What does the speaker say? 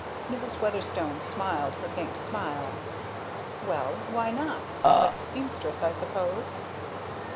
Mrs. Weatherstone smiled her faint smile. "Well why not? Like a seamstress, I suppose."